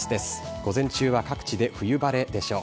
午前中は各地で冬晴れでしょう。